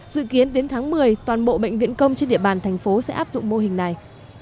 dự kiến đến tháng một mươi toàn bộ bệnh viện công trên địa bàn thành phố sẽ áp dụng mô hình này